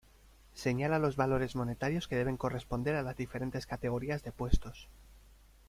Señala los valores monetarios que deben corresponder a las diferentes categorías de puestos.